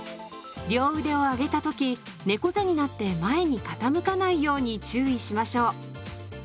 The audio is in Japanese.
両腕を上げた時猫背になって前に傾かないように注意しましょう。